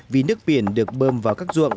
vì nước biển được bơm vào các ruộng